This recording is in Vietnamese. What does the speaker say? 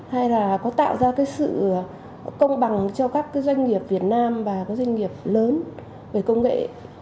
hay là có tạo ra cái sự công bằng cho các doanh nghiệp việt nam và các doanh nghiệp lớn về công nghệ